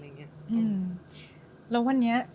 แล้ววันนี้